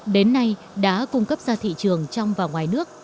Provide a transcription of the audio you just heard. đến nay đã cung cấp ra thị trường trong và ngoài nước